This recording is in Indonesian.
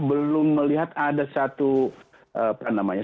belum melihat ada satu apa namanya